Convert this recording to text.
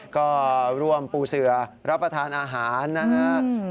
ก็ร่วมปูเสือรับประทานอาหารนะครับ